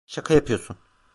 Şaka yapıyorsun.